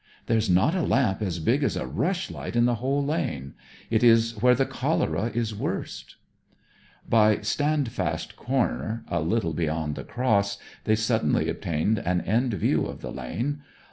'There's not a lamp as big as a rushlight in the whole lane. It is where the cholera is worst.' By Standfast Corner, a little beyond the Cross, they suddenly obtained an end view of the lane.